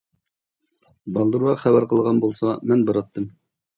بالدۇرراق خەۋەر قىلغان بولسا مەن باراتتىم.